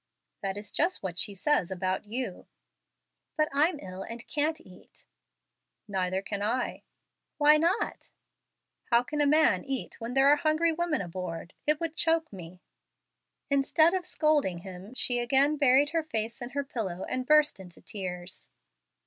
"That is just what she says of you." "But I'm ill and can't eat." "Neither can I." "Why not?" "How can a man eat when there are hungry women aboard? It would choke me." Instead of scolding him, she again buried her face in her pillow, and burst into tears.